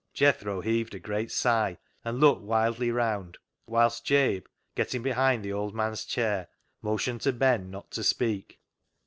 " Jethro heaved a great sigh, and looked wildly round, whilst Jabe, getting behind the old man's chair, motioned to Ben not to speak.